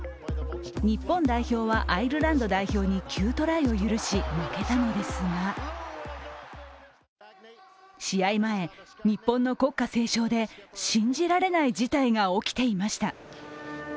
日本代表はアイルランド代表に９トライを許し、負けたのですが試合前、日本の国歌斉唱で信じられない事態が起きていました。